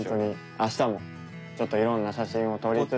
明日もちょっと色んな写真を撮りつつ。